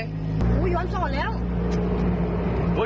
โอ้โหย้อนสอนแล้ว